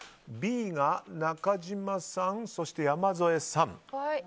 Ｂが中島さん、山添さん。